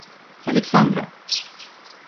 Александра